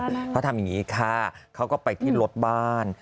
ที่ผ่านมาเขาทำอย่างนี้ค่ะเขาก็ไปที่รถบ้าน